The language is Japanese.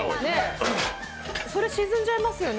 それ沈んじゃいますよね。